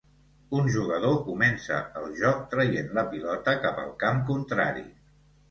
Un jugador comença el joc traient la pilota cap al camp contrari.